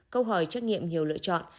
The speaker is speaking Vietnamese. câu hỏi trắc nghiệm nhiều lựa chọn